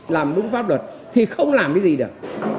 làm đúng pháp luật thì không làm cái gì được